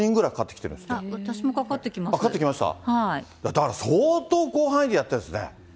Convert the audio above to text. だから相当広範囲でやってるんですね。